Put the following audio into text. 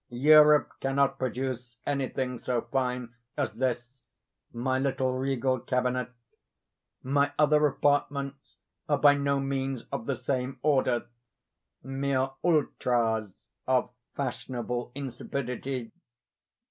Europe cannot produce anything so fine as this, my little regal cabinet. My other apartments are by no means of the same order—mere ultras of fashionable insipidity.